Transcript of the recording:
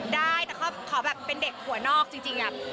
ได้แต่เขาแบบเป็นเด็กหัวนอกจริงอะ